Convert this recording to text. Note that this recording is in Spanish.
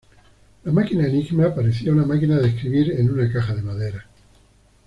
La máquina Enigma parecía una máquina de escribir en una caja de madera.